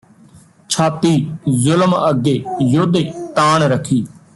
ਛਾਤੀ ਜ਼ੁਲਮ ਅੱਗੇ ਯੋਧੇ ਤਾਣ ਰੱਖੀ